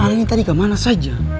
alen tadi gak manas aja